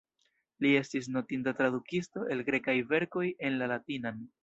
Li estis notinda tradukisto el grekaj verkoj en la latinan.